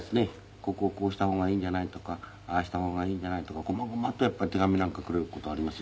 「ここをこうした方がいいんじゃない？」とか「ああした方がいいんじゃない？」とか細々とやっぱり手紙なんかくれる事ありますよ